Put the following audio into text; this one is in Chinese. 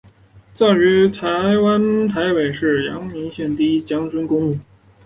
葬于台湾台北市阳明山第一将级军官公墓